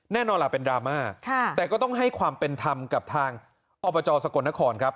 แน่นอนล่ะเป็นดราม่าแต่ก็ต้องให้ความเป็นธรรมกับทางอบจสกลนครครับ